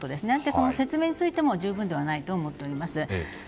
その説明についても十分ではないと思っております。